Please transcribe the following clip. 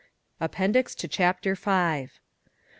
APPENDIX TO CHAPTER V 1.